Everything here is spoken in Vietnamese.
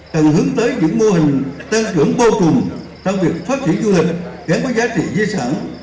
cần hướng tới những mô hình tăng trưởng vô cùng trong việc phát triển du lịch gắn với giá trị di sản